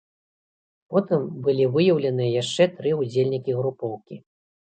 Потым былі выяўленыя яшчэ тры ўдзельнікі групоўкі.